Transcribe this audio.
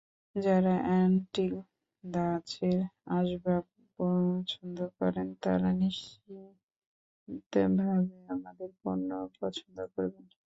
যারা অ্যান্টিক ধাঁচের আসবাব পছন্দ করেন, তাঁরা নিশ্চিতভাবে আমাদের পণ্য পছন্দ করবেন।